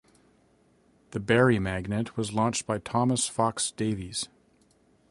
The "Barrie Magnet" was launched by Thomas Fox Davies.